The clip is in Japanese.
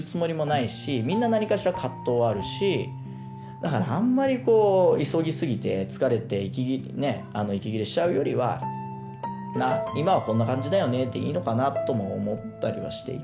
だからあんまり急ぎすぎて疲れて息切れしちゃうよりは今はこんな感じだよねでいいのかなとも思ったりはしていて。